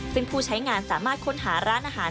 ซึ่งผู้ใช้งานสามารถค้นหาร้านอาหาร